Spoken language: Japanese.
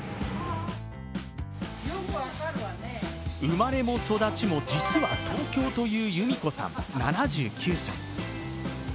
生まれも育ちも実は東京という優巳子さん７９歳。